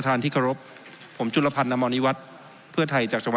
ท่านเปิดช่วงผมเลยอ้าวตามสบายเชิญครับ